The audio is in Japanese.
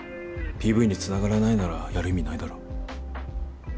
ＰＶにつながらないならやる意味ないだろ。